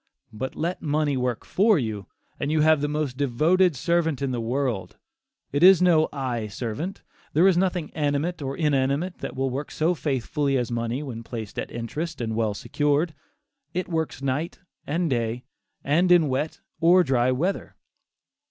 But let money work for you, and you have the most devoted servant in the world. It is no "eye servant." There is nothing animate or inanimate that will work so faithfully as money when placed at interest, well secured. It works night and day, and in wet or dry weather.